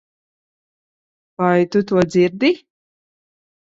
Vai tu to dzirdi?